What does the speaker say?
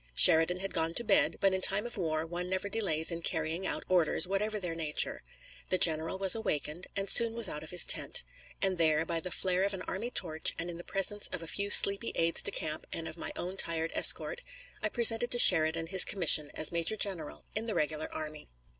Sheridan had gone to bed, but in time of war one never delays in carrying out orders, whatever their nature. The general was awakened, and soon was out of his tent; and there, by the flare of an army torch and in the presence of a few sleepy aides de camp and of my own tired escort, I presented to Sheridan his commission as major general in the regular army.